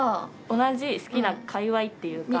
同じ好きな界わいっていうか。